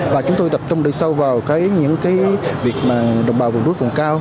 và chúng tôi tập trung đầy sâu vào những cái việc mà đồng bào vùng đuối cùng cao